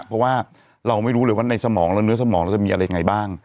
เพราะว่าเราไม่รู้เลยว่าในสมองแล้วเนื้อสมองเราจะมีอะไรไงบ้าง